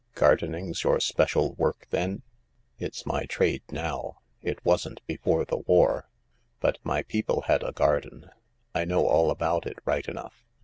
" Gardening's your special work then ?"" It's my trade now. It wasn't before the war. But ny people had a garden. I know all about it right enough."